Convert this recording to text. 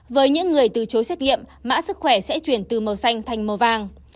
với những người từ chối xét nghiệm mã sức khỏe sẽ chuyển từ màu xanh thành màu vàng